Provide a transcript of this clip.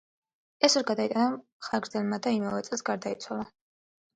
ეს ვერ გადაიტანა მხარგრძელმა და იმავე წელს გარდაიცვალა.